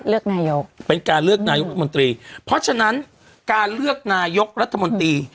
เลือกนายกเป็นการเลือกนายกรัฐมนตรีเพราะฉะนั้นการเลือกนายกรัฐมนตรี